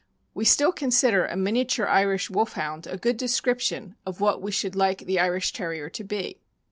We still consider "a miniature Irish Wolfhound " a good description of what we should like the Irish Terrier to be.